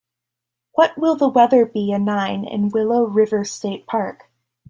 What will the weather be a nine in Willow River State Park?